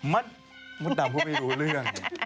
มดดำพวกมีรู้เรื่อง